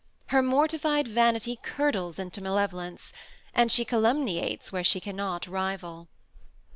Her mortified vanity curdles into ma levolence ; and she calumniates where she cannot rival.